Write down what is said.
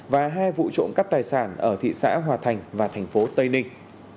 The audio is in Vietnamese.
và hai vụ trộm cắp tài sản ở thị xã hòa thành và thành phố tây ninh